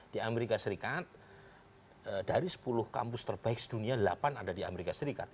di amerika serikat dari sepuluh kampus terbaik sedunia delapan ada di amerika serikat